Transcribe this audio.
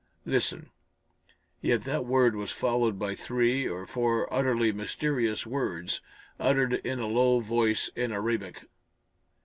Listen!" Yet that word was followed by three or four utterly mysterious words, uttered in a low voice in Arabic.